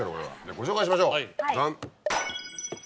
ご紹介しましょうジャン。